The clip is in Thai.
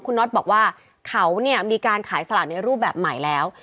คุณน็อตบอกว่าเขาเนี่ยมีการขายสลากในรูปแบบใหม่แล้ว